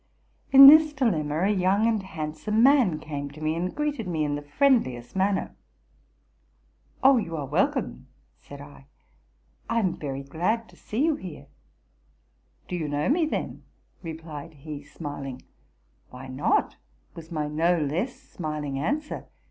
In this dilemma, a young and handsome man came to me, and greeted me in the friendliest manner. '' Oh! you are welcome,'' said I: '*1 am very glad to see you here.'? —'+ Do you know me, then?"' replied he, smiling. '* Why not?'' was my no less smiling answer.